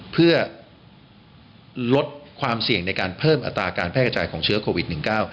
เพื่อลดความเสี่ยงในการเพิ่มอัตราการแพร่กระจายของเชื้อโควิด๑๙